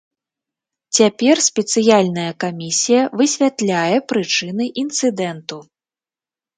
Цяпер спецыяльная камісія высвятляе прычыны інцыдэнту.